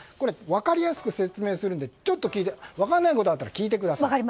分かりやすく説明するので分からないことがあったら聞いてください。